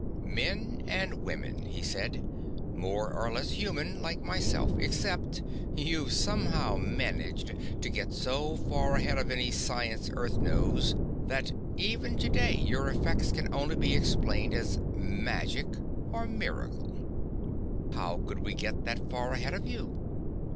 "Men and women," he said. "More or less human, like myself. Except you've somehow managed to get so far ahead of any kind of science Earth knows that, even today, your effects can only be explained as 'magic' or 'miracle.'" "How could we get that far ahead of you?"